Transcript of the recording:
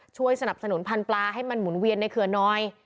ช่วยสนับสนุนพันธุ์ปลาให้มันหุ่นเวียนในเขื่อนน้อย